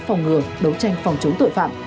phòng ngừa đấu tranh phòng chống tội phạm